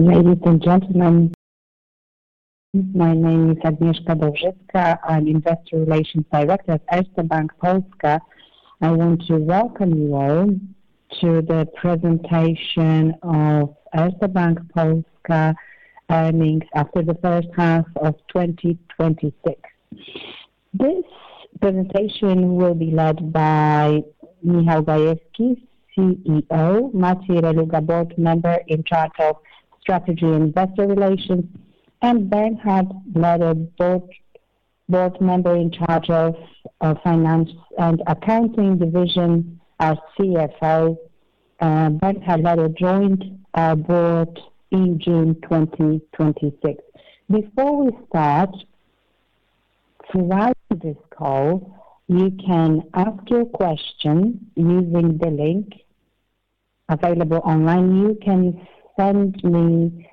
Ladies and gentlemen, my name is Agnieszka Dowżycka. I'm Investor Relations Director at Erste Bank Polska. I want to welcome you all to the presentation of Erste Bank Polska earnings after the first half of 2026. This presentation will be led by Michał Gajewski, CEO, Maciej Reluga, Board Member in charge of Strategy and Investor Relations, and Bernhard Leder, Board Member in charge of Finance and Accounting Division, our CFO. Bernhard Leder joined our board in June 2026. Before we start, throughout this call, you can ask your question using the link available online. You can send me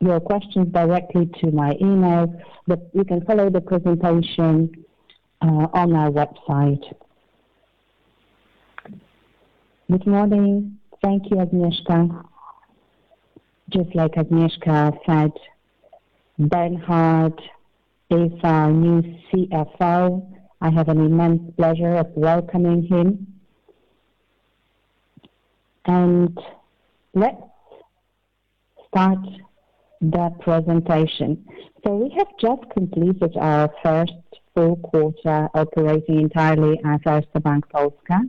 your questions directly to my email. You can follow the presentation on our website. Good morning. Thank you, Agnieszka. Just like Agnieszka said, Bernhard is our new CFO. I have an immense pleasure of welcoming him. Let's start the presentation. We have just completed our first full quarter operating entirely as Erste Bank Polska.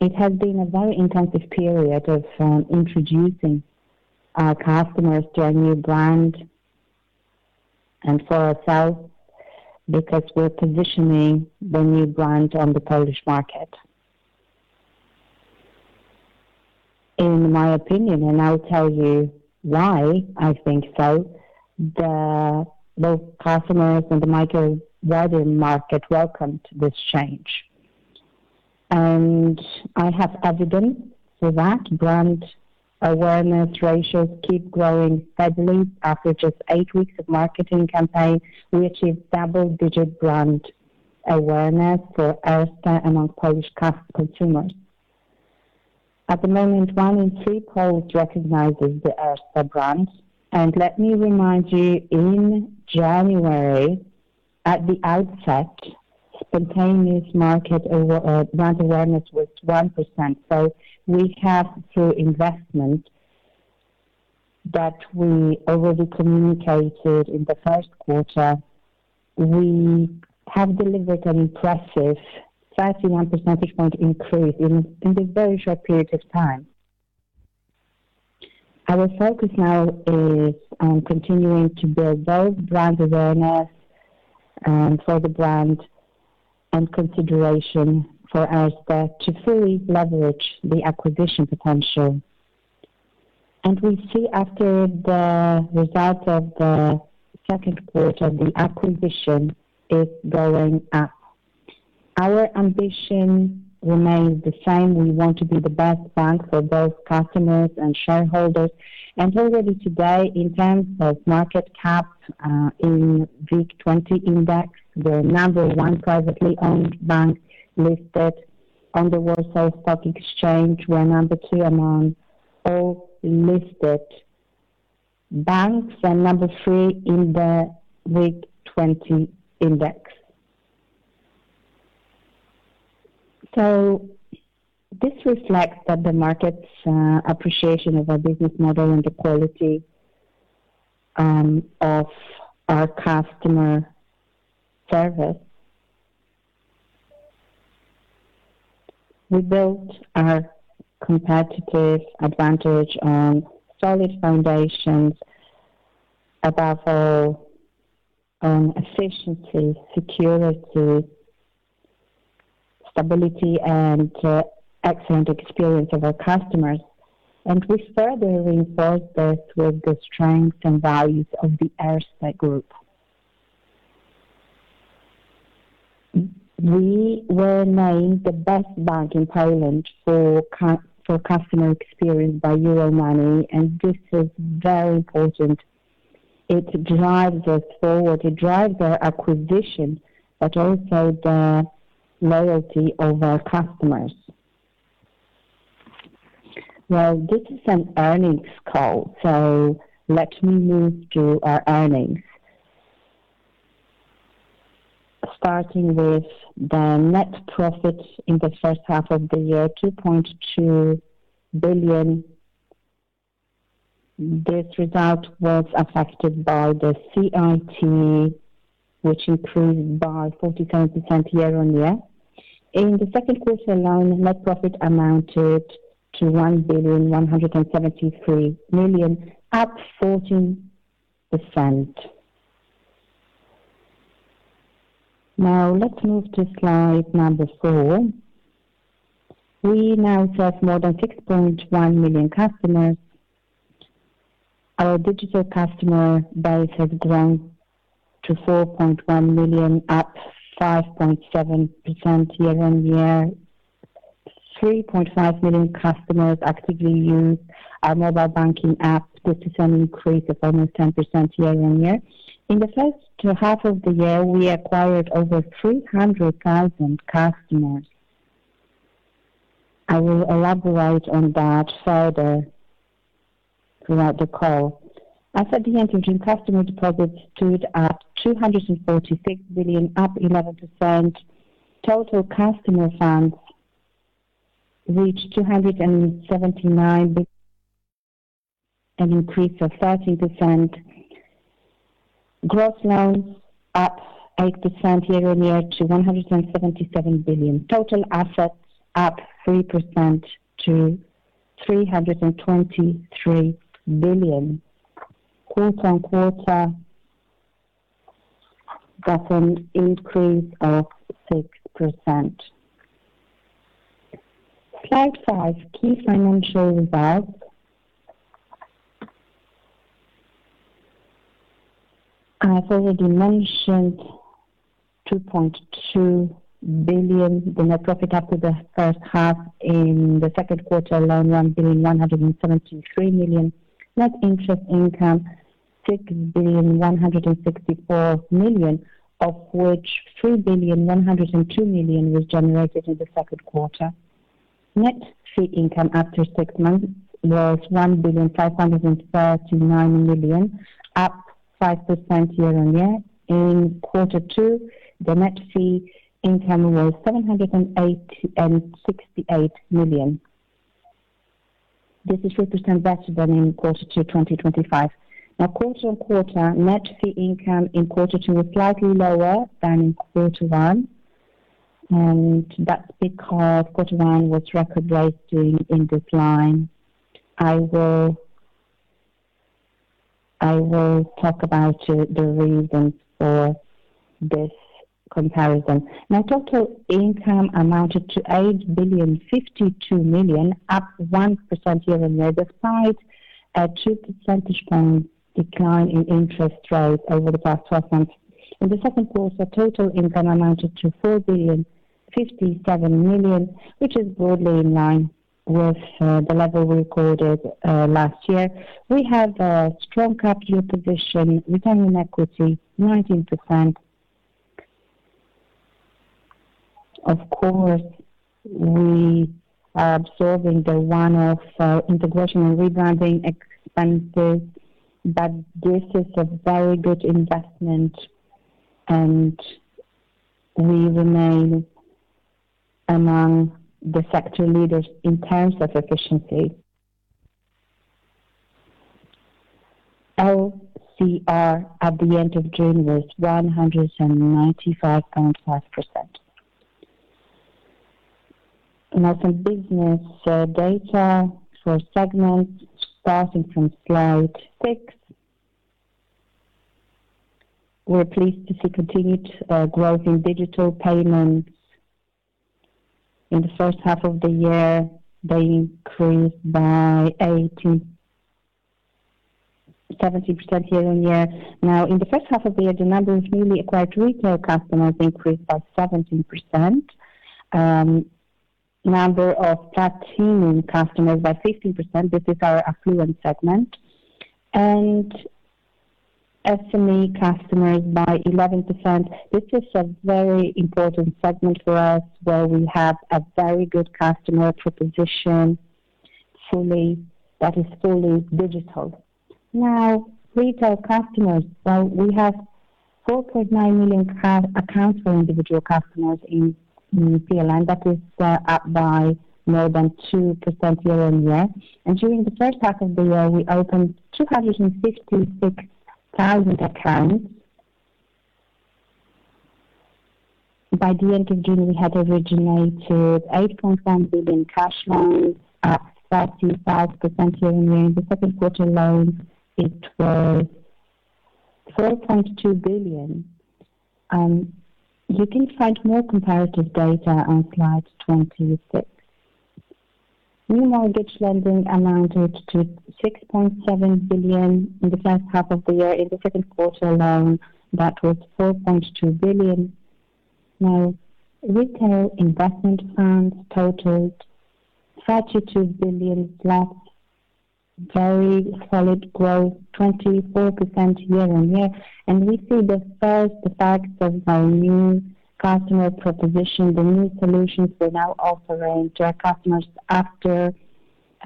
It has been a very intensive period of introducing our customers to our new brand and for ourselves, because we're positioning the new brand on the Polish market. In my opinion, and I'll tell you why I think so, both customers and the wider market welcomed this change. I have evidence for that. Brand awareness ratios keep growing steadily. After just eight weeks of marketing campaign, we achieved double-digit brand awareness for Erste among Polish consumers. At the moment, one in three Poles recognizes the Erste brand. Let me remind you, in January, at the outset, spontaneous market brand awareness was 1%. We have, through investment, that we already communicated in the first quarter. We have delivered an impressive 31 percentage point increase in this very short period of time. Our focus now is on continuing to build both brand awareness for the brand and consideration for Erste to fully leverage the acquisition potential. We see after the results of the second quarter, the acquisition is going up. Our ambition remains the same. We want to be the best bank for both customers and shareholders. Already today, in terms of market cap, in WIG20 index, we're number one privately owned bank listed on the Warsaw Stock Exchange. We're number two among all listed banks and number three in the WIG20 index. This reflects that the market's appreciation of our business model and the quality of our customer service. We built our competitive advantage on solid foundations about our efficiency, security, stability, and excellent experience of our customers. We further reinforce this with the strength and values of the Erste Group. We were named the best bank in Poland for customer experience by Euromoney, and this is very important. It drives us forward. It drives our acquisition, but also the loyalty of our customers. This is an earnings call, let me move to our earnings. Starting with the net profits in the first half of the year, 2.2 billion. This result was affected by the CIT, which increased by 49% year-on-year. In the second quarter alone, net profit amounted to 1,173,000,000, up 14%. Let's move to slide number four. We now serve more than 6.1 million customers. Our digital customer base has grown to 4.1 million, up 5.7% year-on-year. 3.5 million customers actively use our mobile banking app. This is an increase of almost 10% year-on-year. In the first half of the year, we acquired over 300,000 customers. I will elaborate on that further throughout the call. At the end of June, customer deposits stood at 246 billion, up 11%. Total customer funds reached 279 billion, an increase of 13%. Gross loans up 8% year-over-year to 177 billion. Total assets up 3% to 323 billion. Quarter-on-quarter, that's an increase of 6%. Slide five, key financial results. I have already mentioned 2.2 billion, the net profit after the first half. In the second quarter alone, 1,173,000,000. Net interest income, 6,164,000,000, of which 3,102,000,000 Was generated in the second quarter. Net fee income after six months was 1,539,000,000, up 5% year-over-year. In quarter two, the net fee income was 768 million. This is 50% better than in quarter two 2025. Quarter-on-quarter, net fee income in quarter two was slightly lower than in quarter one, that's because quarter one was record breaking in this line. I will talk about the reasons for this comparison. Total income amounted to 8,052,000,000, up 1% year-over-year despite a 2 percentage point decline in interest rates over the past 12 months. In the second quarter, total income amounted to 4,057,000,000, which is broadly in line with the level we recorded last year. We have a strong capital position, return on equity 19%. Of course, we are observing the one-off integration and rebranding expenses, but this is a very good investment, and we remain among the sector leaders in terms of efficiency. LCR at the end of June was 195.5%. Some business data for segments, starting from slide six. We're pleased to see continued growth in digital payments. In the first half of the year, they increased by 17% year-over-year. In the first half of the year, the number of newly acquired retail customers increased by 17%. Number of platinum customers by 15%, this is our affluent segment, and SME customers by 11%. This is a very important segment for us where we have a very good customer proposition that is fully digital. Retail customers. We have 4.9 million accounts for individual customers in PLN. That is up by more than 2% year-over-year. During the first half of the year, we opened 256,000 accounts. By the end of June, we had originated 8.7 billion cash loans, up 35% year-over-year. In the second quarter loans, it was 4.2 billion. You can find more comparative data on slide 26. New mortgage lending amounted to 6.7 billion in the first half of the year. In the second quarter alone, that was 4.2 billion. Retail investment funds totaled +32 billion. Very solid growth, 24% year-over-year. We see the first effects of our new customer proposition, the new solutions we're now offering to our customers after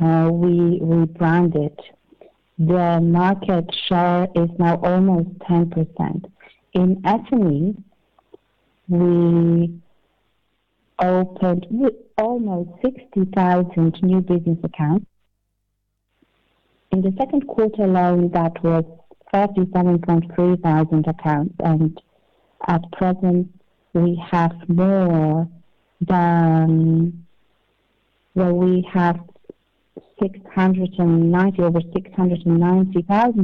we rebranded. The market share is now almost 10%. In SME, we opened almost 60,000 new business accounts. In the second quarter alone, that was 37,000 accounts, at present we have over 690,000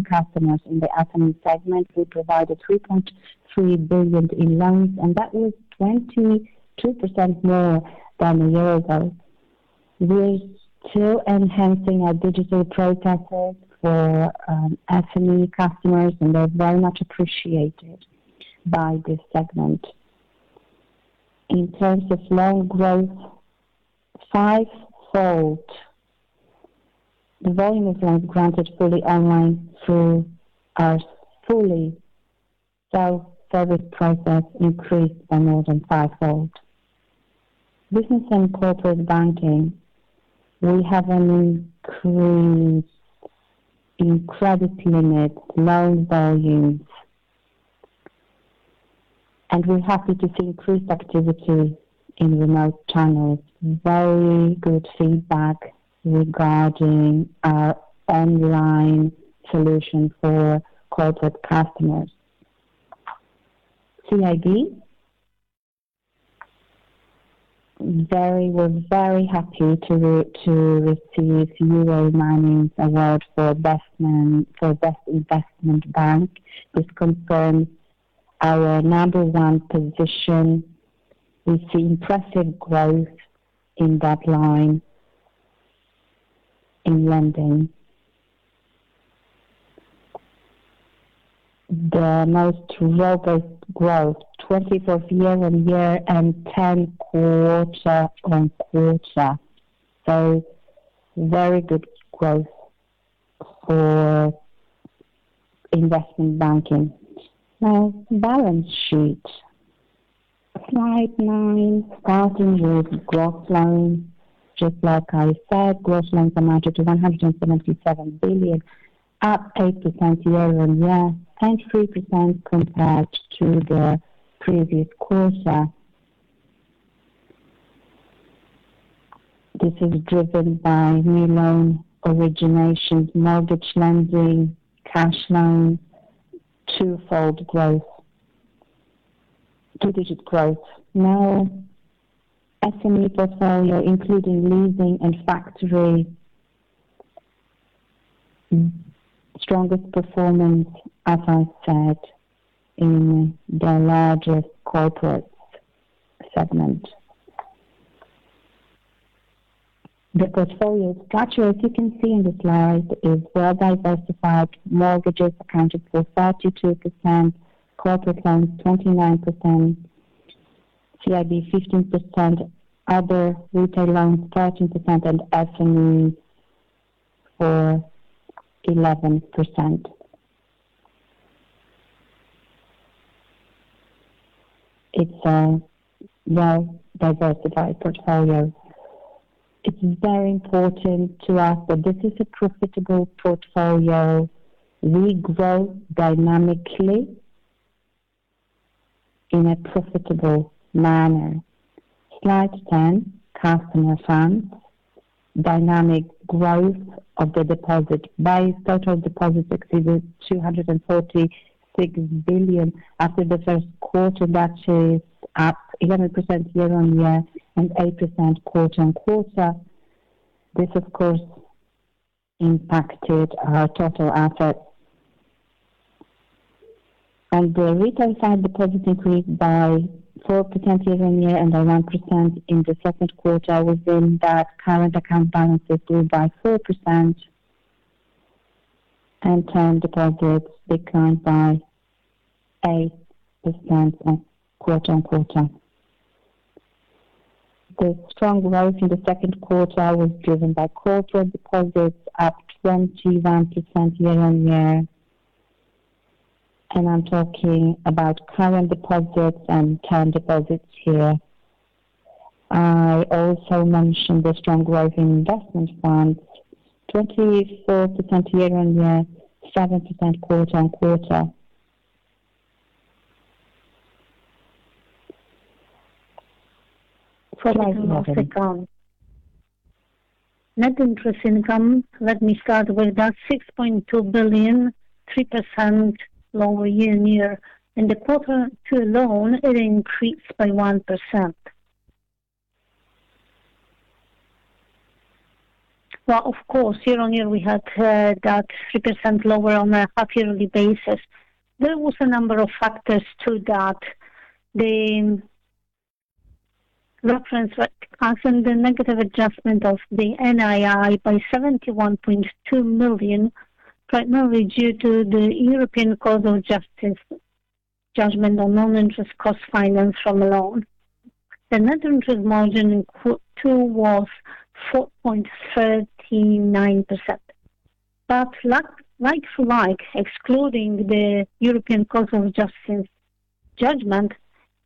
customers in the SME segment. We provided 3.3 billion in loans, that was 22% more than a year ago. We're still enhancing our digital processes for SME customers, they're very much appreciated by this segment. In terms of loan growth, fivefold. The volume of loans granted fully online through our fully self-service process increased by more than fivefold. Business and corporate banking, we have increased in credit limits loan volumes. We're happy to see increased activity in remote channels. Very good feedback regarding our online solution for corporate customers. CIB, we're very happy to receive EuroFinance Award for Best Investment Bank. This confirms our number one position. We see impressive growth in that line in lending. The most robust growth, 20% year-on-year and 10% quarter-on-quarter. Very good growth for investment banking. Now, balance sheet. Slide nine, starting with gross loans. Just like I said, gross loans amounted to 177 billion, up 8% year-on-year, 10.3% compared to the previous quarter. This is driven by new loan originations, mortgage lending, cash loans, twofold growth, two-digit growth. SME portfolio, including leasing and factoring. Strongest performance, as I said, in the largest corporate segment. The portfolio structure, as you can see in the slide, is well diversified. Mortgages accounted for 32%, corporate loans 29%, CIB 15%, other retail loans 13%, and SME for 11%. It's a well-diversified portfolio. It's very important to us that this is a profitable portfolio. We grow dynamically in a profitable manner. Slide 10, customer funds. Dynamic growth of the deposit base. Total deposits exceeded 246 billion after the first quarter. That is up 11% year-on-year and 8% quarter-on-quarter. This, of course, impacted our total assets. On the retail side, deposits increased by 4% year-on-year and 1% in the second quarter, within that current account balances grew by 4%, and term deposits declined by 8% quarter-on-quarter. The strong growth in the second quarter was driven by corporate deposits up 21% year-on-year. I'm talking about current deposits and term deposits here. I also mentioned the strong growth in investment funds, 24% year-on-year, 7% quarter-on-quarter. Slide 12, net income. Net interest income, let me start with that. 6.2 billion, 3% lower year-on-year. In the quarter two alone, it increased by 1%. Of course, year-on-year, we had that 3% lower on a half-yearly basis. There was a number of factors to that. The reference as in the negative adjustment of the NII by 71.2 million, primarily due to the European Court of Justice judgment on non-interest costs of a loan. The net interest margin in Q2 was 4.39%. Like for like, excluding the European Court of Justice judgment,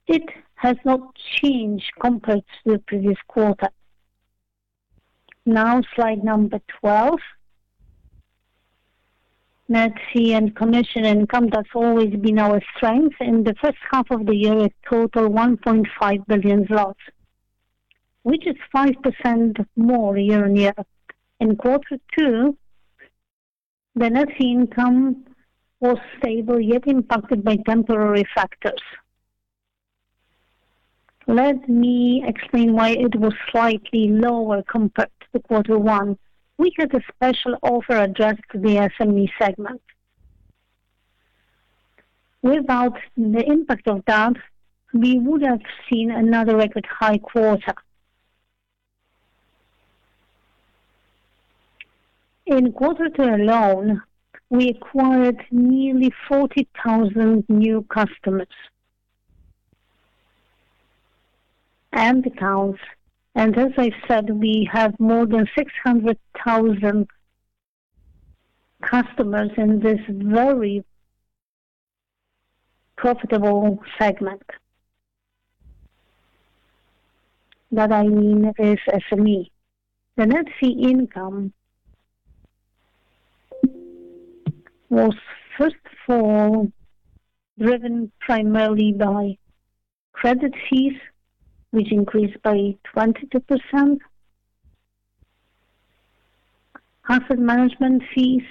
it has not changed compared to the previous quarter. Slide number 12. Net fee and commission income has always been our strength. In the first half of the year, it totaled 1.5 billion zlotys, which is 5% more year-on-year. In quarter two, the net fee income was stable, yet impacted by temporary factors. Let me explain why it was slightly lower compared to quarter one. We had a special offer addressed to the SME segment. Without the impact of that, we would have seen another record high quarter. In quarter two alone, we acquired nearly 40,000 new customers and accounts. As I said, we have more than 600,000 customers in this very profitable segment. That I mean is SME. The net fee income was first of all driven primarily by credit fees, which increased by 22%, asset management fees,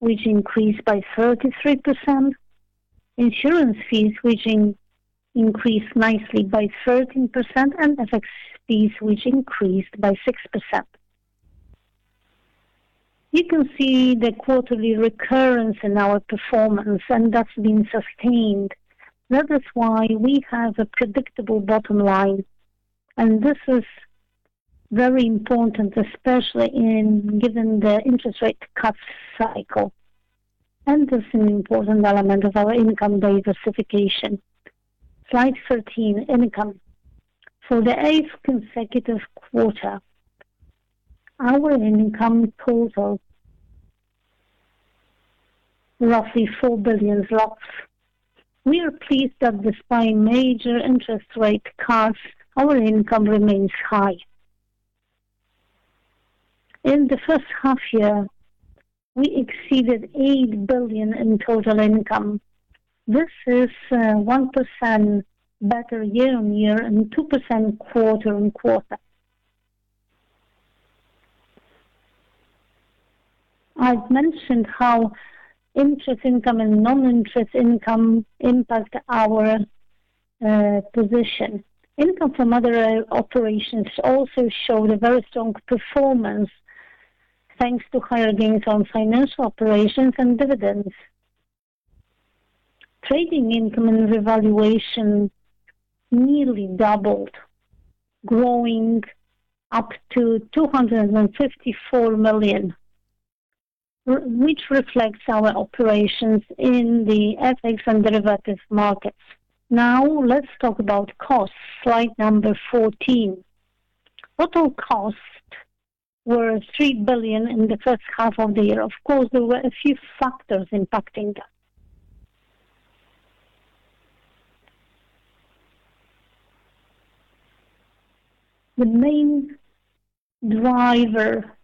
which increased by 33%, insurance fees, which increased nicely by 13%, and FX fees, which increased by 6%. You can see the quarterly recurrence in our performance, and that's been sustained. That is why we have a predictable bottom line, and this is very important, especially given the interest rate cut cycle. It's an important element of our income diversification. Slide 13, income. For the eighth consecutive quarter, our income totals roughly 4 billion zlotys. We are pleased that despite major interest rate cuts, our income remains high. In the first half year, we exceeded 8 billion in total income. This is 1% better year-on-year and 2% quarter-on-quarter. I've mentioned how interest income and non-interest income impact our position. Income from other operations also showed a very strong performance thanks to higher gains on financial operations and dividends. Trading income and revaluation nearly doubled, growing up to 254 million, which reflects our operations in the FX and derivatives markets. Now let's talk about costs. Slide number 14. Total costs were 3 billion in the first half of the year. Of course, there were a few factors impacting that. The main driver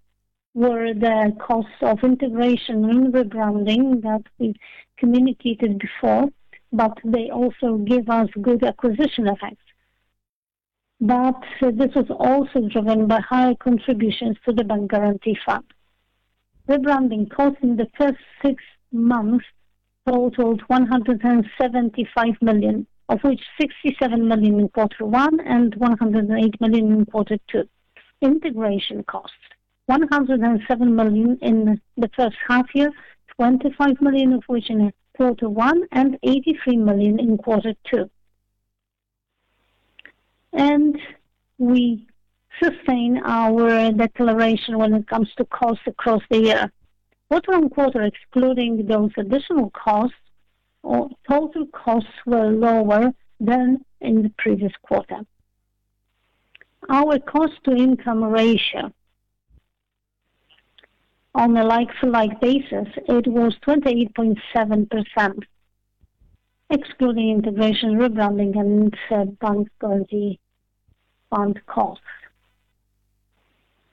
were the costs of integration and rebranding that we communicated before, but they also give us good acquisition effects. This was also driven by higher contributions to the Bank Guarantee Fund. Rebranding costs in the first six months totaled 175 million, of which 67 million in quarter one and 108 million in quarter two. Integration costs, 107 million in the first half year, 25 million of which in quarter one, and 83 million in quarter two. We sustain our declaration when it comes to costs across the year. Quarter-on-quarter, excluding those additional costs, total costs were lower than in the previous quarter. Our cost-to-income ratio on a like-to-like basis, it was 28.7%, excluding integration, rebranding, and said Bank Guarantee Fund costs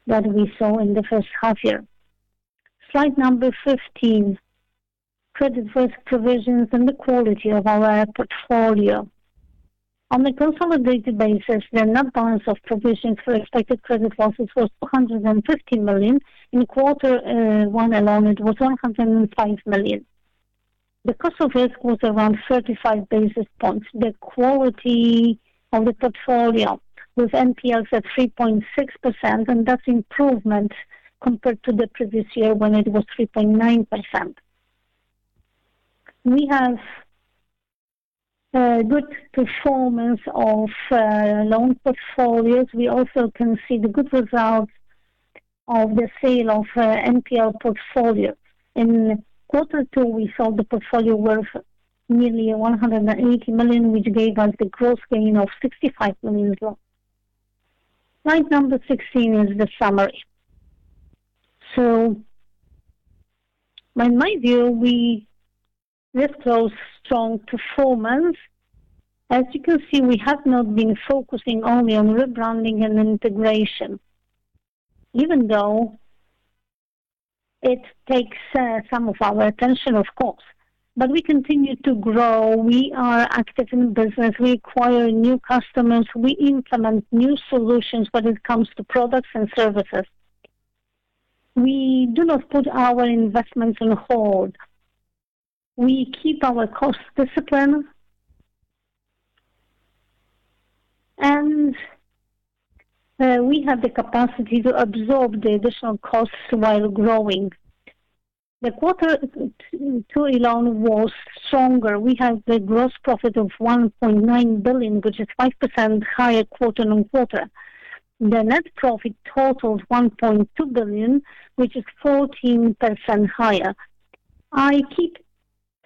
that we saw in the first half year. Slide number 15, credit risk provisions and the quality of our portfolio. On a consolidated basis, the net balance of provisions for expected credit losses was 150 million. In quarter one alone it was 105 million. The cost of risk was around 35 basis points. The quality of the portfolio with NPLs at 3.6%, and that's improvement compared to the previous year when it was 3.9%. We have good performance of loan portfolios. We also can see the good results of the sale of NPL portfolios. In quarter two, we sold the portfolio worth nearly 180 million, which gave us the gross gain of 65 million. Slide number 16 is the summary. In my view, we report strong performance. As you can see, we have not been focusing only on rebranding and integration, even though it takes some of our attention, of course. We continue to grow. We are active in business. We acquire new customers. We implement new solutions when it comes to products and services. We do not put our investments on hold. We keep our cost discipline. We have the capacity to absorb the additional costs while growing. The quarter two alone was stronger. We have the gross profit of 1.9 billion, which is 5% higher quarter-on-quarter. The net profit totals 1.2 billion, which is 14% higher. I keep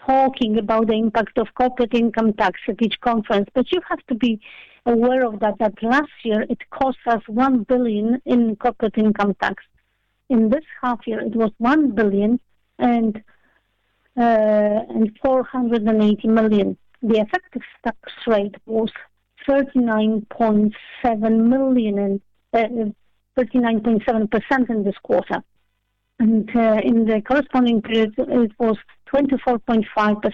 talking about the impact of corporate income tax at each conference, but you have to be aware that last year it cost us 1 billion in corporate income tax. In this half year, it was 1,480,000,000. The effective tax rate was 39.7% in this quarter. In the corresponding period, it was 24.5%.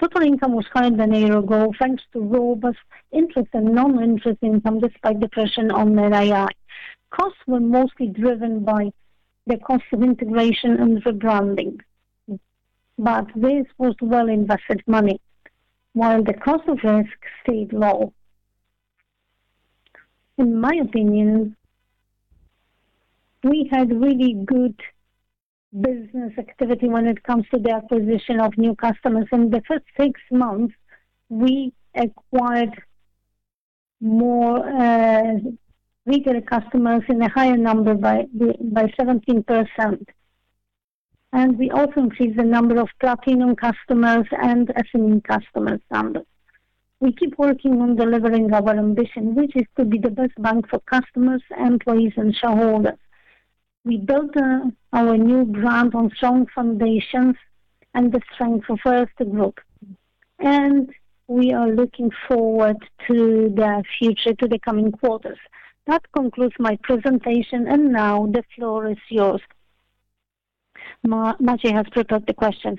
Total income was higher than a year ago, thanks to robust interest and non-interest income, despite depression on NII. Costs were mostly driven by the cost of integration and rebranding. This was well-invested money, while the cost of risk stayed low. In my opinion, we had really good business activity when it comes to the acquisition of new customers. In the first six months, we acquired bigger customers in a higher number by 17%. We also increased the number of platinum customers and SME customer numbers. We keep working on delivering our ambition, which is to be the best bank for customers, employees, and shareholders. We built our new brand on strong foundations and the strength of Erste Group. We are looking forward to the future, to the coming quarters. That concludes my presentation, and now the floor is yours. Maciej has prepared the questions.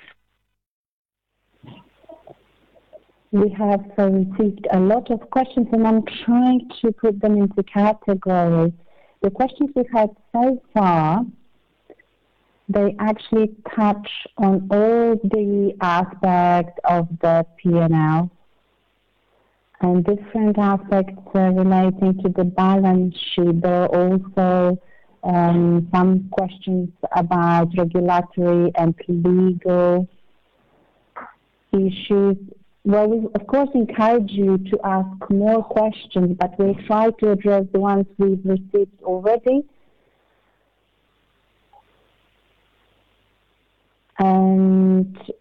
We have received a lot of questions. I'm trying to put them into categories. The questions we've had so far actually touch on all the aspects of the P&L and different aspects relating to the balance sheet. There are also some questions about regulatory and legal issues. Well, we, of course, encourage you to ask more questions. We'll try to address the ones we've received already.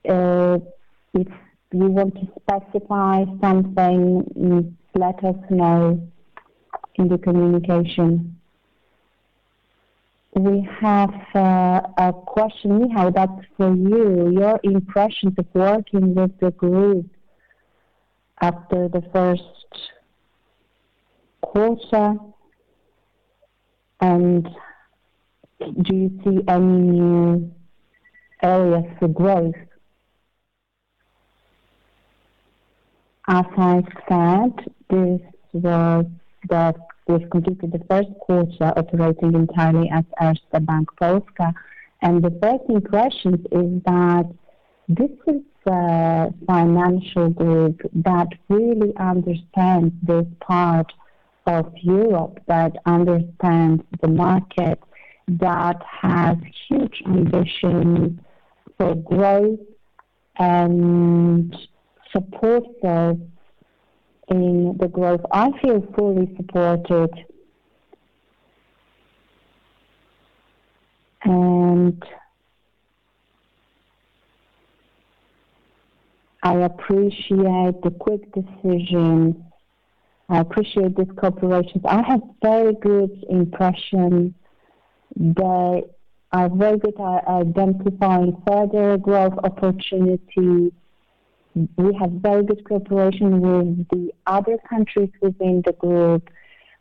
If you want to specify something, let us know in the communication. We have a question, Michał, that's for you, your impressions of working with the group after the first quarter. Do you see any new areas for growth? As I've said, we've completed the first quarter operating entirely as Erste Bank Polska. The first impressions is that this is a financial group that really understands this part of Europe, that understands the market, that has huge ambition for growth and supports us in the growth. I feel fully supported. I appreciate the quick decisions. I appreciate this cooperation. I have very good impressions. They are very good at identifying further growth opportunities. We have very good cooperation with the other countries within the group.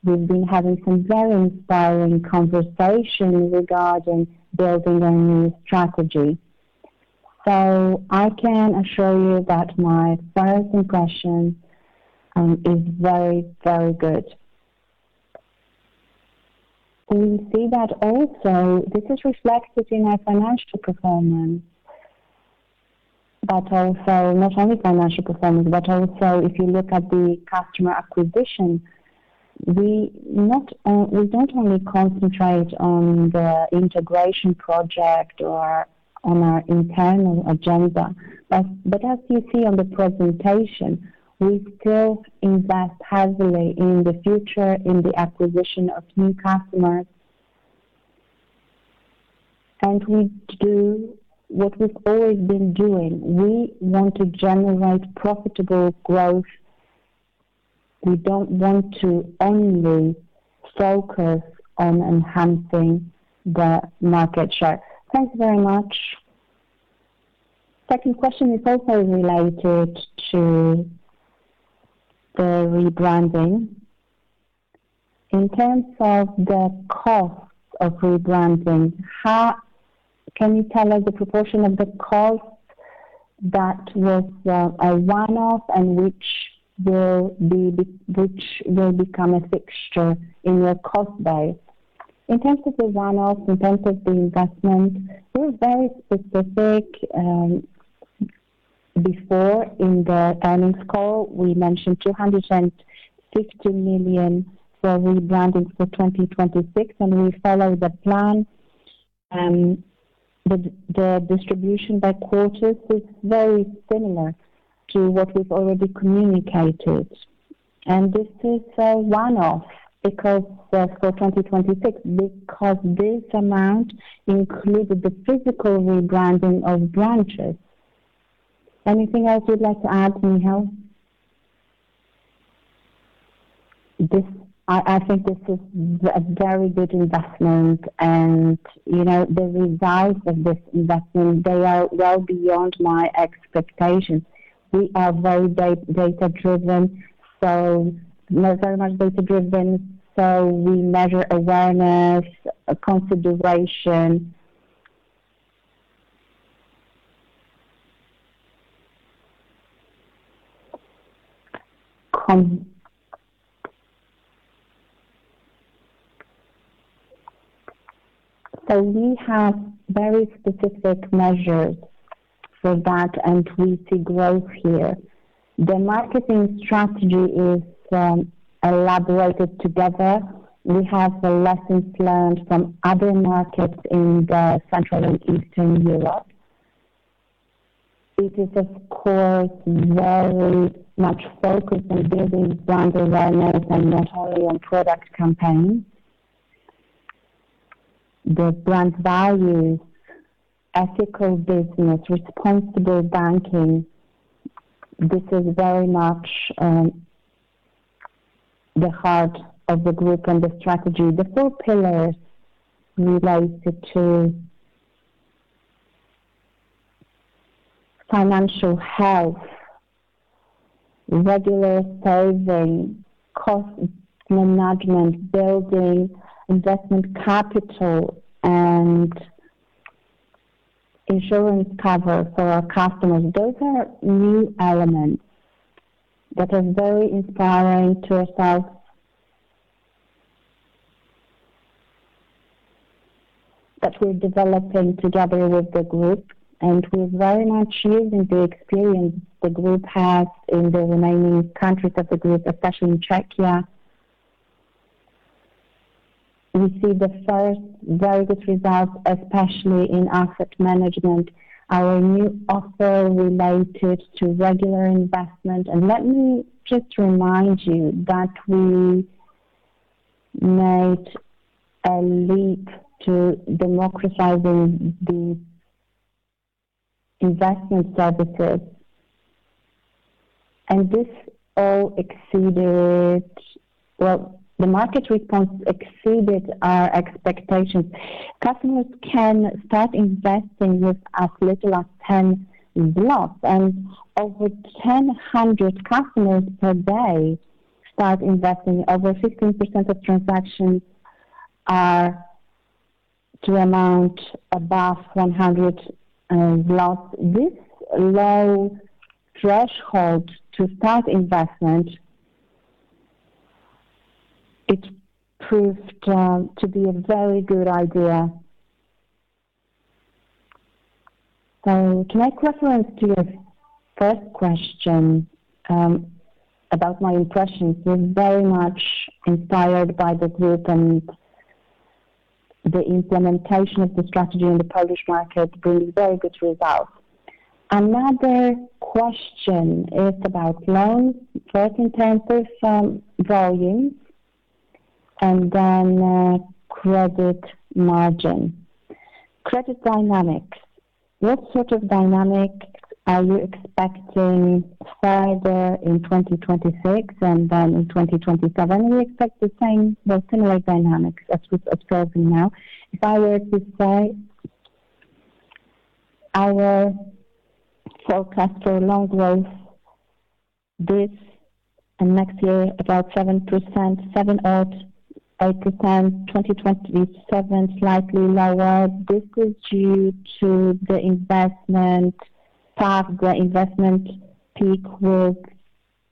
We've been having some very inspiring conversations regarding building a new strategy. I can assure you that my first impression is very good. We see that also this is reflected in our financial performance. Not only financial performance, but also if you look at the customer acquisition, we don't only concentrate on the integration project or on our internal agenda, but as you see on the presentation, we still invest heavily in the future, in the acquisition of new customers. We do what we've always been doing. We want to generate profitable growth. We don't want to only focus on enhancing the market share. Thank you very much. Second question is also related to the rebranding. In terms of the costs of rebranding, can you tell us the proportion of the costs that was a one-off and which will become a fixture in your cost base? In terms of the one-off, in terms of the investment, we were very specific. Before in the earnings call, we mentioned 250 million for rebranding for 2026, We follow the plan. The distribution by quarters is very similar to what we've already communicated. This is a one-off for 2026 because this amount included the physical rebranding of branches. Anything else you'd like to add, Michał? I think this is a very good investment and the results of this investment, they are well beyond my expectations. We are very data-driven, so we measure awareness, consideration. We have very specific measures for that, and we see growth here. The marketing strategy is elaborated together. We have the lessons learned from other markets in the Central and Eastern Europe. It is, of course, very much focused on building brand awareness and not only on product campaigns. The brand values ethical business, responsible banking. This is very much the heart of the group and the strategy. The four pillars related to financial health, regular saving, cost management, building investment capital, and insurance cover for our customers. Those are new elements that are very inspiring to us that we're developing together with the group, and we're very much using the experience the group has in the remaining countries of the group, especially in Czechia. We see the first very good results, especially in asset management, our new offer related to regular investment. Let me just remind you that we made a leap to democratizing the investment services. This all exceeded, the market response exceeded our expectations. Customers can start investing with as little as 10, and over 1,000 customers per day start investing. Over 15% of transactions are to amount above 100. This low threshold to start investment, it proved to be a very good idea. Can I reference to your first question about my impressions? We're very much inspired by the group and the implementation of the strategy in the Polish market brings very good results. Another question is about loans, first in terms of some volumes and then credit margin. Credit dynamics. What sort of dynamics are you expecting further in 2026 and then in 2027? We expect the same. Similar dynamics as we're observing now. If I were to say our forecast for loan growth this and next year, about 7%, 7.8%, 2027, slightly lower. This is due to the investment path. The investment peak will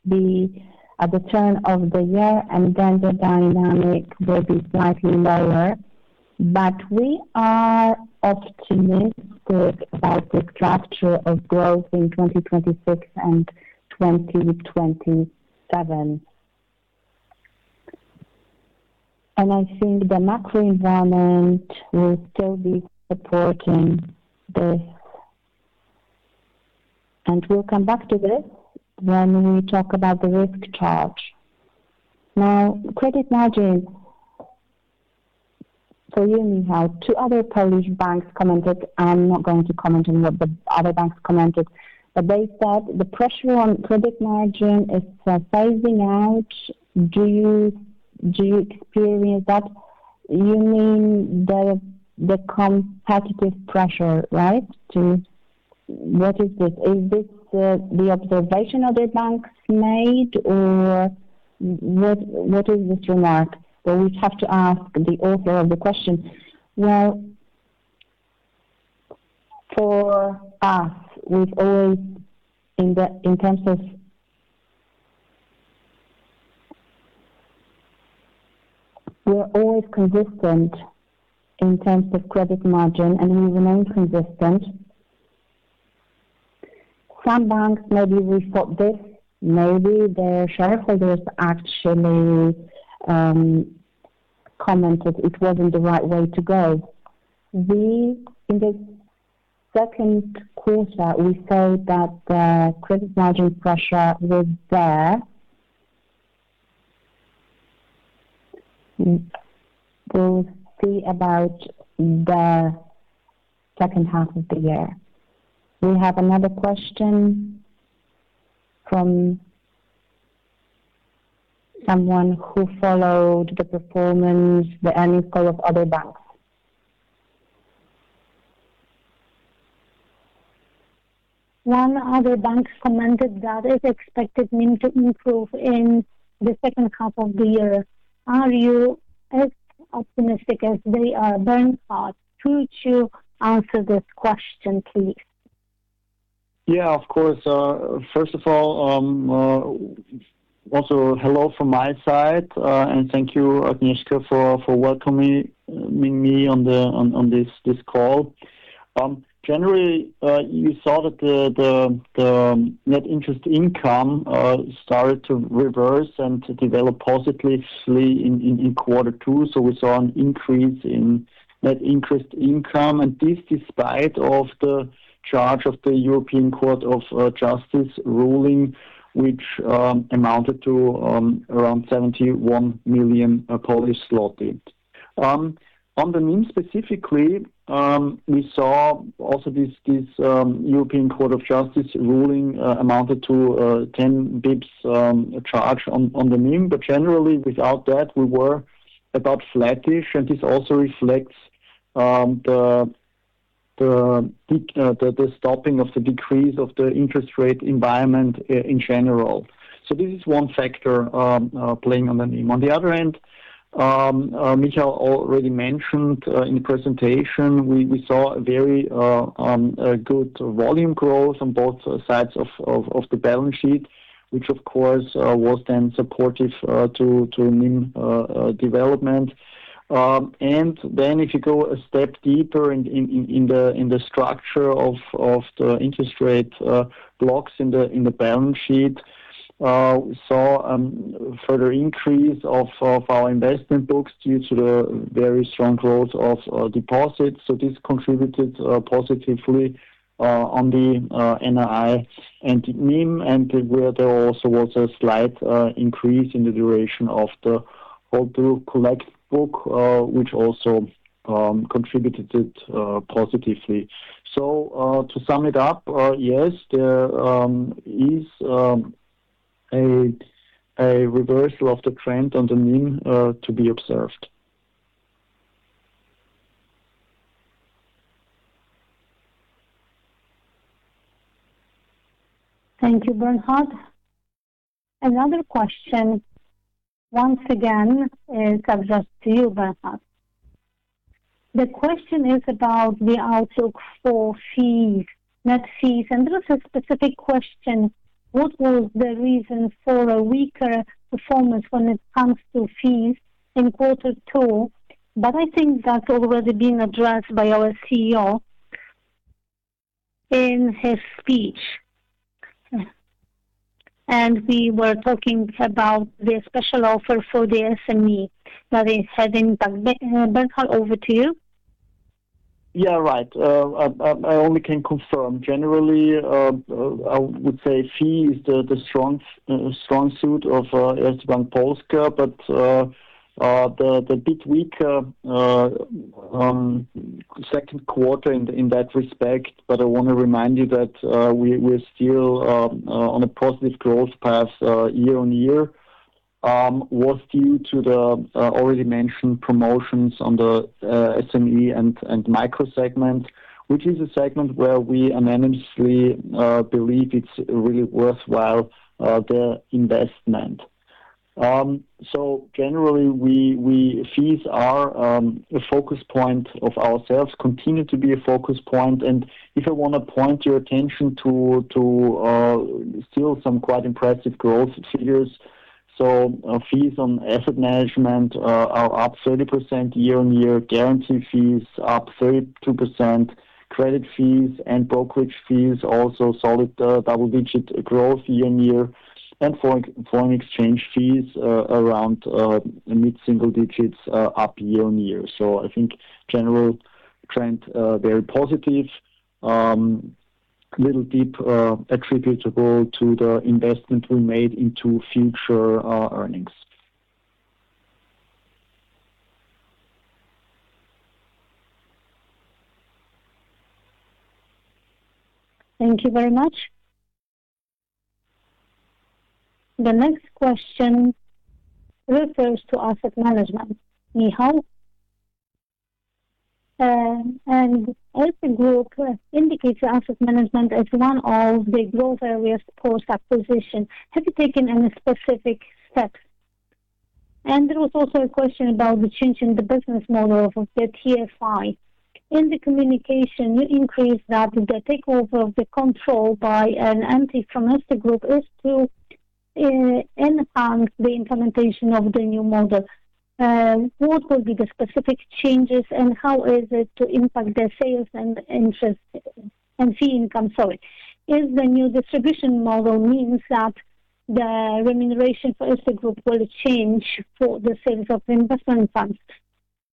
be at the turn of the year, then the dynamic will be slightly lower. We are optimistic about the structure of growth in 2026 and 2027. I think the macro environment will still be supporting this. We'll come back to this when we talk about the risk charge. Now, credit margin. You need how two other Polish banks commented. I'm not going to comment on what the other banks commented, they said the pressure on credit margin is phasing out. Do you experience that? You mean the competitive pressure, right? What is this? Is this the observation other banks made, or what is this remark? We'd have to ask the author of the question. For us, we're always consistent in terms of credit margin, and we remain consistent. Some banks maybe we thought this, maybe their shareholders actually- commented it wasn't the right way to go. In the second quarter, we saw that the credit margin pressure was there. We'll see about the second half of the year. We have another question from someone who followed the performance, the earnings call of other banks. One other bank commented that it expected NIM to improve in the second half of the year. Are you as optimistic as they are? Bernhard, could you answer this question, please? Of course. First of all, also hello from my side, and thank you, Agnieszka, for welcoming me on this call. Generally, you saw that the net interest income started to reverse and to develop positively in quarter two, we saw an increase in net interest income, and this despite of the charge of the European Court of Justice ruling, which amounted to around 71 million Polish zloty. On the NIM specifically, we saw also this European Court of Justice ruling amounted to 10 basis points charge on the NIM. Generally, without that, we were about flattish, and this also reflects the stopping of the decrease of the interest rate environment in general. This is one factor playing on the NIM. On the other end, Michał already mentioned in presentation, we saw a very good volume growth on both sides of the balance sheet, which of course, was then supportive to NIM development. If you go a step deeper in the structure of the interest rate blocks in the balance sheet, we saw a further increase of our investment book due to the very strong growth of deposits. This contributed positively on the NII and NIM, and where there also was a slight increase in the duration of the overall collateral book, which also contributed positively. To sum it up, yes, there is a reversal of the trend on the NIM to be observed. Thank you, Bernhard. Another question, once again, is addressed to you, Bernhard. The question is about the outlook for fees, net fees. There is a specific question: what was the reason for a weaker performance when it comes to fees in quarter two? I think that's already been addressed by our CEO in his speech. We were talking about the special offer for the SME that is having. Bernhard, over to you. Yeah, right. I only can confirm. Generally, I would say fee is the strong suit of Erste Bank Polska, but the bit weaker second quarter in that respect. I want to remind you that we're still on a positive growth path year-on-year, was due to the already mentioned promotions on the SME and micro segment, which is a segment where we unanimously believe it's really worthwhile the investment. Generally, fees are a focus point of ourselves, continue to be a focus point. If I want to point your attention to still some quite impressive growth figures. Fees on asset management are up 30% year-on-year. Guarantee fees up 32%. Credit fees and brokerage fees, also solid double-digit growth year-on-year. Foreign exchange fees, around mid-single digits up year-on-year. I think general trend very positive. Little dip attributable to the investment we made into future earnings. Thank you very much. The next question refers to asset management. Michał? Erste Group indicates asset management as one of the growth areas post-acquisition. Have you taken any specific steps? There was also a question about the change in the business model of the TFI. In the communication, you indicated that the takeover of the control by an entity from Erste Group is to enhance the implementation of the new model. What will be the specific changes, and how is it to impact the sales and fee income, sorry. Is the new distribution model mean that the remuneration for Erste Group will change for the sales of investment funds,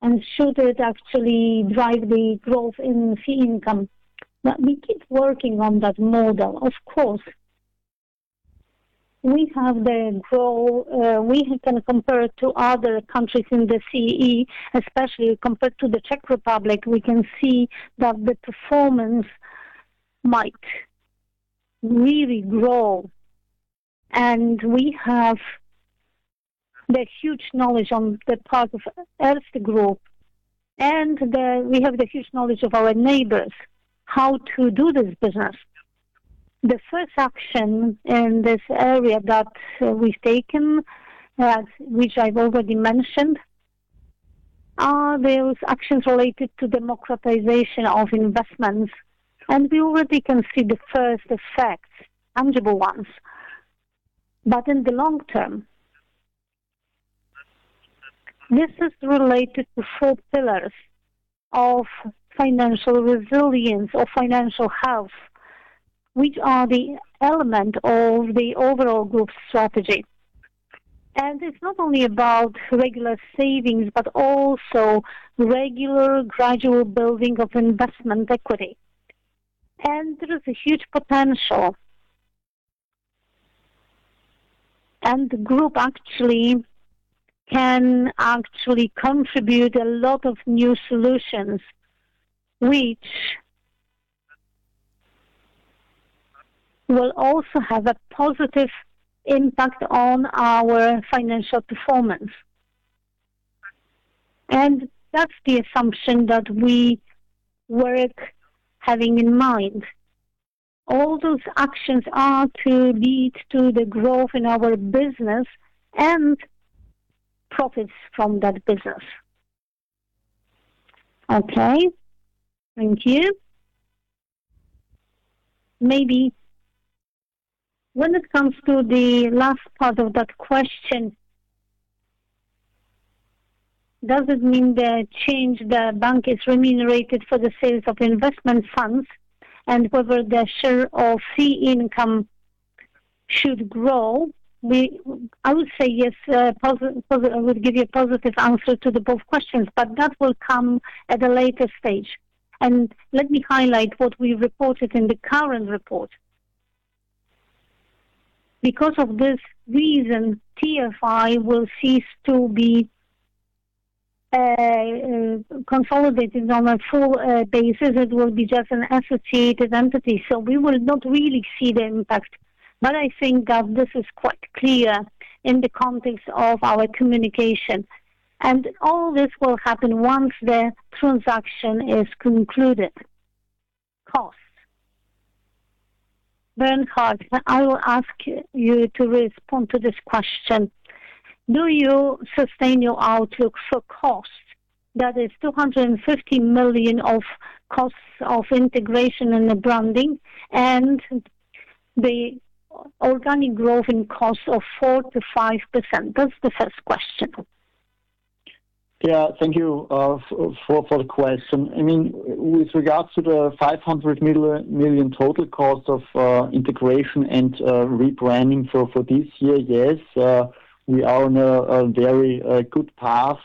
and should it actually drive the growth in fee income. We keep working on that model, of course. We can compare it to other countries in the CEE, especially compared to the Czech Republic, we can see that the performance might really grow. We have the huge knowledge on the part of Erste Group, and we have the huge knowledge of our neighbors, how to do this business. The first action in this area that we've taken, which I've already mentioned, are those actions related to democratization of investments, and we already can see the first effects, tangible ones. In the long term, this is related to four pillars of financial resilience or financial health, which are the element of the overall group strategy. It's not only about regular savings, but also regular gradual building of investment equity. There is a huge potential. The group actually can contribute a lot of new solutions, which will also have a positive impact on our financial performance. That is the assumption that we work having in mind. All those actions are to lead to the growth in our business and profits from that business. Okay, thank you. Maybe when it comes to the last part of that question, does it mean the change the bank is remunerated for the sales of investment funds and whether the share of fee income should grow? I would say yes. I would give you a positive answer to the both questions, but that will come at a later stage. Let me highlight what we reported in the current report. Because of this reason, TFI will cease to be consolidated on a full basis. It will be just an associated entity. So we will not really see the impact. I think that this is quite clear in the context of our communication. All this will happen once the transaction is concluded. Costs. Bernhard, I will ask you to respond to this question. Do you sustain your outlook for costs? That is 250 million of costs of integration and rebranding and the organic growth in costs of 4%-5%. That is the first question. Thank you for the question. With regards to the 500 million total cost of integration and rebranding for this year, yes, we are on a very good path.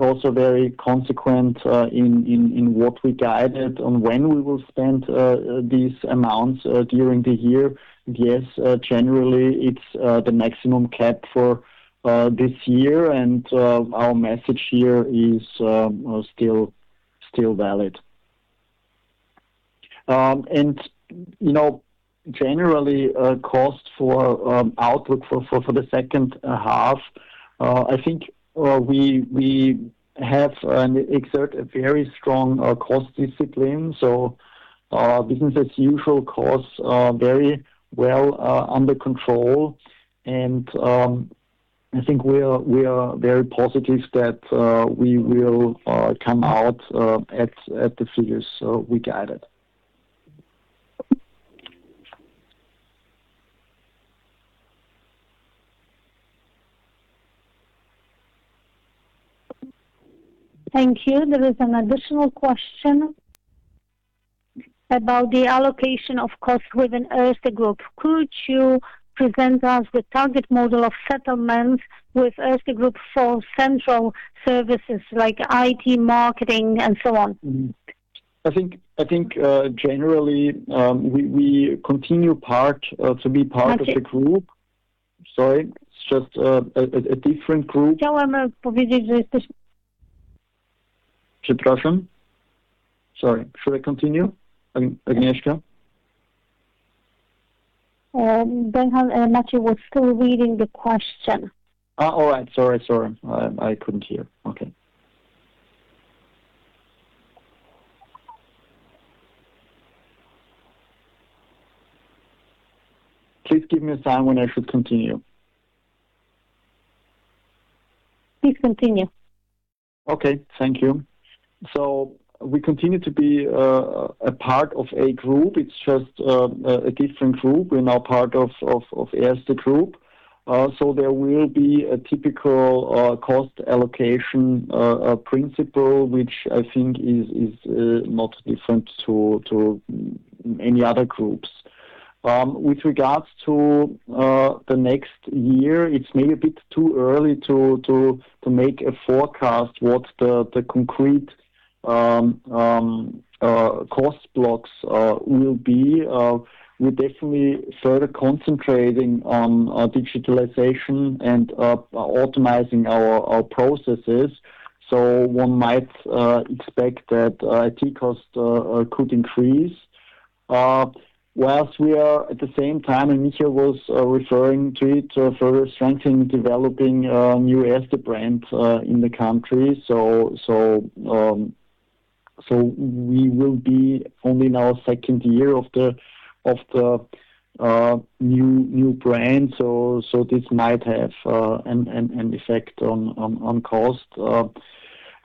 Also very consequent in what we guided on when we will spend these amounts during the year. Yes, generally it is the maximum cap for this year, and our message here is still valid. Generally, cost for outlook for the second half, we have exerted a very strong cost discipline. Business as usual costs are very well under control, and we are very positive that we will come out at the figures we guided. Thank you. There is an additional question about the allocation of costs within Erste Group. Could you present us the target model of settlements with Erste Group for central services like IT, marketing, and so on? I think, generally, we continue to be part of the group. Sorry, it's just a different group. Sorry, should I continue, Agnieszka? Bernhard, Maciej was still reading the question. All right. Sorry. I couldn't hear. Okay. Please give me a sign when I should continue. Please continue. Okay, thank you. We continue to be a part of a group. It's just a different group. We're now part of Erste Group. There will be a typical cost allocation principle, which I think is not different to any other groups. With regards to the next year, it's maybe a bit too early to make a forecast what the concrete cost blocks will be. We're definitely further concentrating on digitalization and optimizing our processes. One might expect that IT costs could increase. Whilst we are, at the same time, and Michał was referring to it, further strengthening, developing new Erste brand in the country. We will be only in our second year of the new brand. This might have an effect on cost.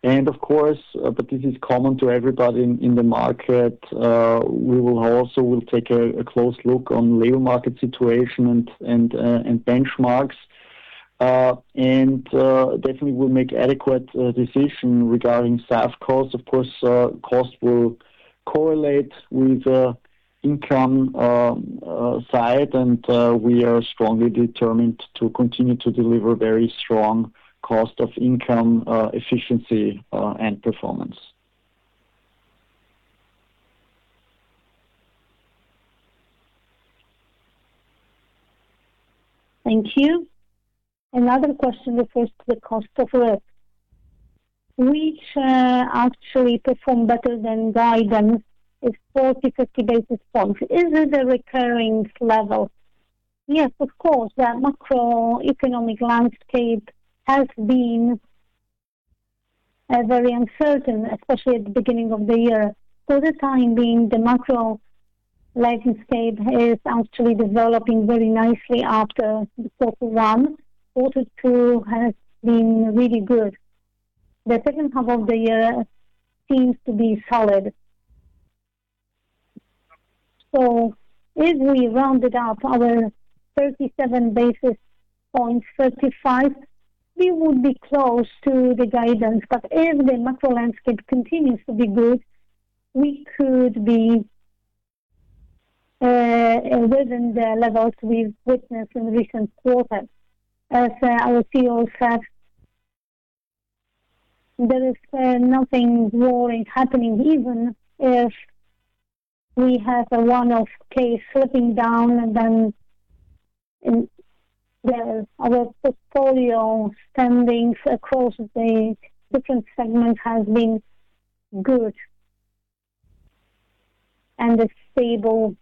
Of course, but this is common to everybody in the market, we will also take a close look on labor market situation and benchmarks. Definitely, we'll make adequate decision regarding staff costs. Of course, cost will correlate with income side, we are strongly determined to continue to deliver very strong cost of income efficiency and performance. Thank you. Another question refers to the cost of risk, which actually performed better than guidance is 40-50 basis points. Is it a recurring level? Yes, of course, the macroeconomic landscape has been very uncertain, especially at the beginning of the year. For the time being, the macro landscape is actually developing very nicely after the quarter one. Quarter two has been really good. The second half of the year seems to be solid. If we rounded up our 37 basis points, 35, we would be close to the guidance. If the macro landscape continues to be good, we could be within the levels we've witnessed in recent quarters. As our CEO said, there is nothing wrong happening even if we have a one-off case slipping down, our portfolio standings across the different segments has been good and stable.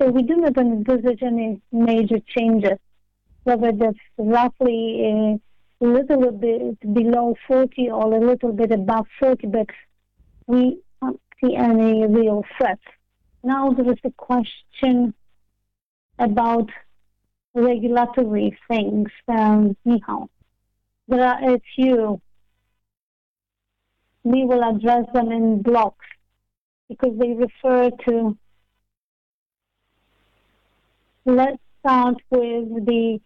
We do not envisage any major changes, whether that's roughly a little bit below 40 or a little bit above 40, we don't see any real threat. Now there is a question about regulatory things. Michał. There are a few. We will address them in blocks because they refer to, let's start with the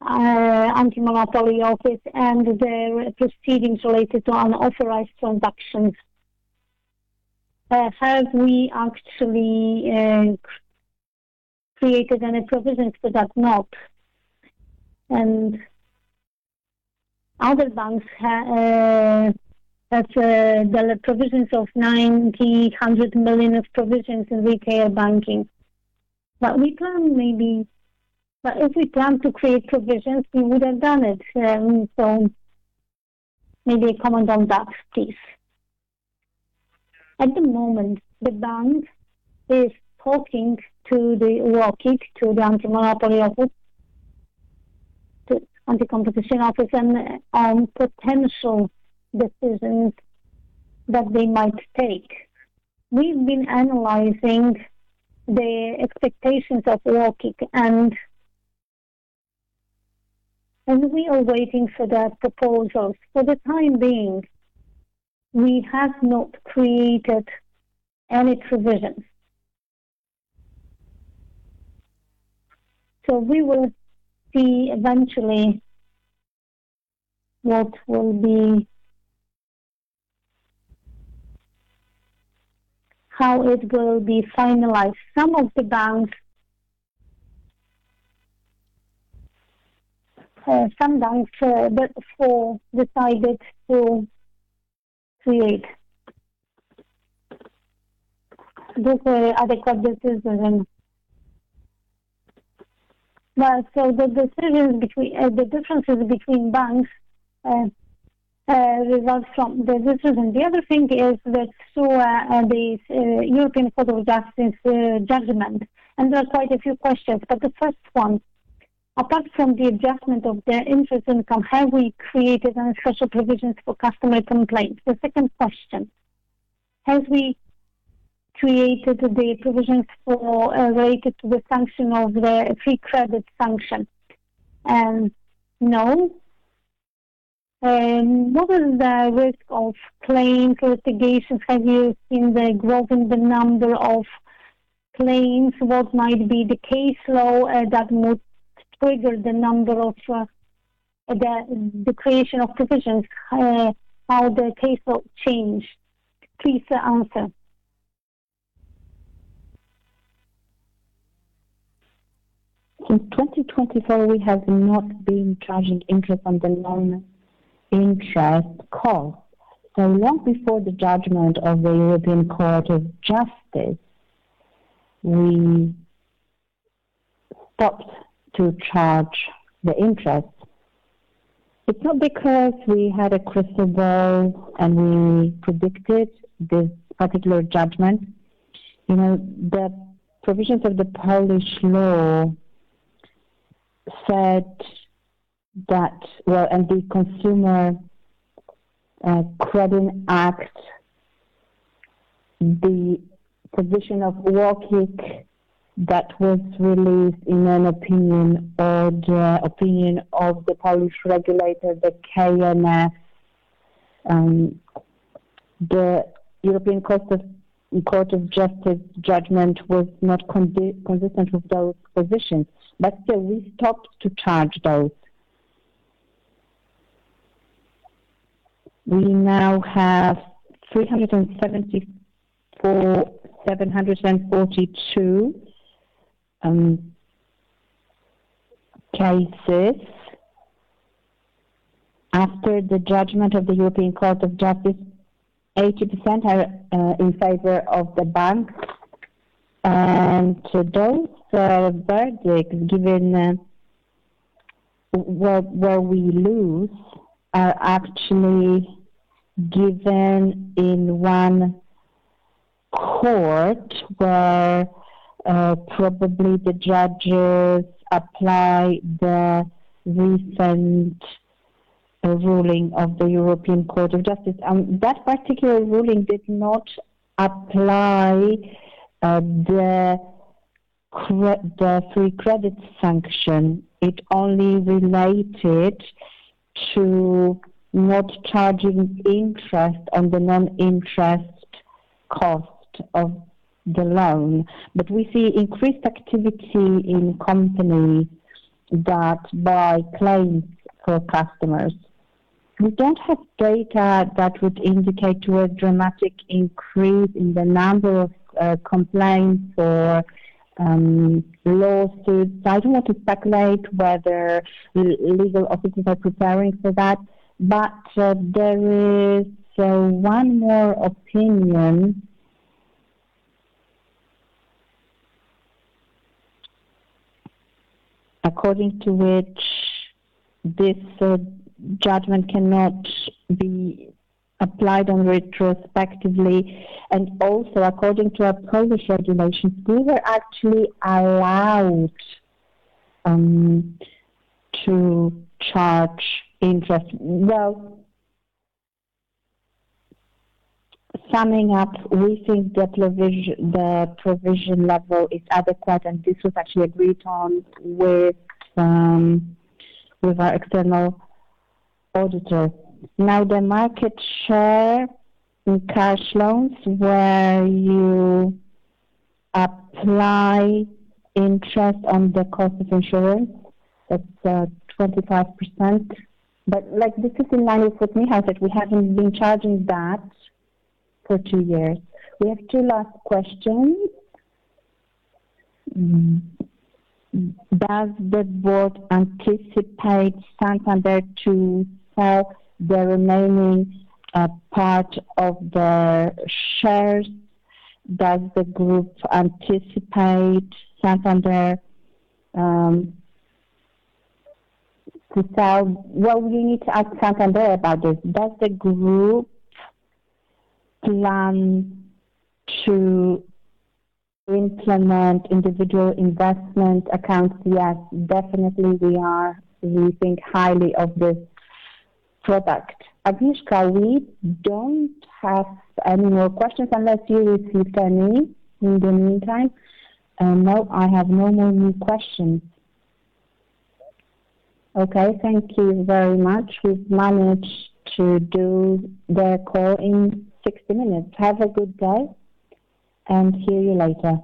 anti-monopoly office and the proceedings related to unauthorized transactions. Have we actually created any provisions for that? No. Other banks, there are provisions of 90 million-100 million of provisions in retail banking. If we plan to create provisions, we would have done it. Maybe a comment on that, please. At the moment, the bank is talking to the UOKiK, to the anti-monopoly office, to anti-competition office on potential decisions that they might take. We've been analyzing the expectations of UOKiK, we are waiting for that proposal. For the time being, we have not created any provisions. We will see eventually how it will be finalized. Some banks before decided to create those adequate provisions. The differences between banks results from the decision. The other thing is that through the European Court of Justice judgment, there are quite a few questions, but the first one, apart from the adjustment of the interest income, have we created any special provisions for customer complaints? The second question, have we created the provisions related to the function of the free credit sanction? No. What is the risk of claim litigations? Have you seen the growth in the number of claims? What might be the case law that would trigger the number of The creation of provisions, how the case will change. Please answer. Since 2024, we have not been charging interest on the loan interest cost. Long before the judgment of the European Court of Justice, we stopped to charge the interest. It's not because we had a crystal ball and we predicted this particular judgment. The provisions of the Polish law said that, well, and the Consumer Credit Act, the position of UOKiK that was released in an opinion or the opinion of the Polish regulator, the KNF, the European Court of Justice judgment was not consistent with those positions. Still, we stopped to charge those. We now have 374,742 cases. After the judgment of the European Court of Justice, 80% are in favor of the bank. Those verdicts given where we lose are actually given in one court where probably the judges apply the recent ruling of the European Court of Justice. That particular ruling did not apply the free credit sanction. It only related to not charging interest on the non-interest cost of the loan. We see increased activity in companies that buy claims for customers. We don't have data that would indicate to a dramatic increase in the number of complaints or lawsuits. I don't want to speculate whether legal offices are preparing for that, there is one more opinion according to which this judgment cannot be applied on retrospectively. Also according to our Polish regulations, we were actually allowed to charge interest. Well, summing up, we think the provision level is adequate, and this was actually agreed on with our external auditor. Now, the market share in cash loans where you apply interest on the cost of insurance, that's 25%. Like the 59% we put in here that we haven't been charging that for two years. We have two last questions. Does the board anticipate Santander to sell the remaining part of the shares? Does the group anticipate Santander to sell? Well, we need to ask Santander about this. Does the group plan to implement individual investment accounts? Yes, definitely we are. We think highly of this product. Agnieszka, we don't have any more questions unless you receive any in the meantime. No, I have no more new questions. Okay, thank you very much. We've managed to do the call in 60 minutes. Have a good day and hear you later.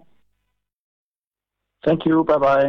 Thank you. Bye-bye.